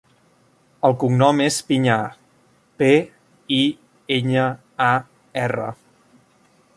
El cognom és Piñar: pe, i, enya, a, erra.